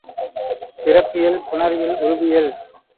பிறப்பியல் புணரியல் உருபியல்